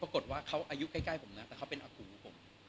ปรากฏว่าเขาอายุใกล้ผมนะแต่เขาเป็นอากูของผม